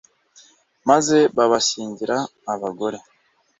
maze babashyingira abagore